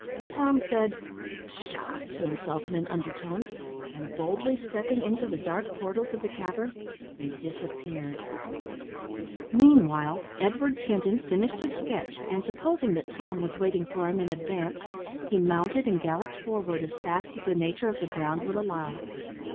Tom said "Pshaw!" to himself in an undertone, and boldly stepping into the dark portals of the cave, he disappeared. Meanwhile, Edward Sinton finished his sketch, and, supposing that Tom was waiting for him in advance, he mounted and galloped forward as fast as the nature of the ground would allow.